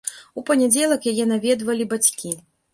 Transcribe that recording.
У панядзелак яе наведвалі бацькі.